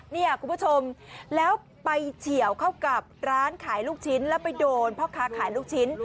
เนี่ยคุณผู้ชมแล้วไปเฉียวเข้ากับร้านขายลูกชิ้นแล้วไปโดนพ่อค้าขายลูกชิ้น